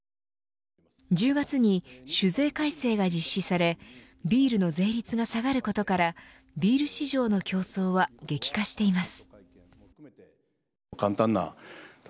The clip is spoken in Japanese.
１０月に酒税改正が実施されビールの税率が下がることからビール市場の競争は激化しています。